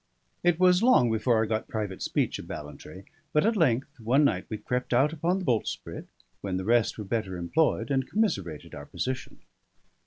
It was long before I got private speech of Ballantrae; but at length one night we crept out upon the boltsprit, when the rest were better employed, and commiserated our position.